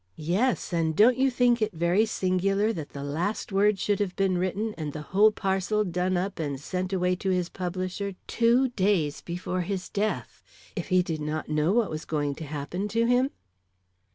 "Yes; and don't you think it very singular that the last word should have been written, and the whole parcel done up and sent away to his publisher, two days before his death, if he did not know what was going to happen to him?"